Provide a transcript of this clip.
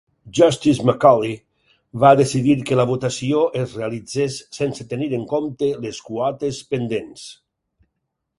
Justice Macaulay va decidir que la votació es realitzés sense tenir en compte les quotes pendents.